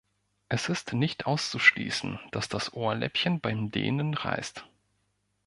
Es ist nicht auszuschließen, dass das Ohrläppchen beim Dehnen reißt.